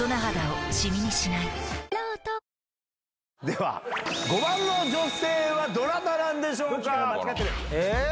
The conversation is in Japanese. では、５番の女性はどなたなんでしょうか？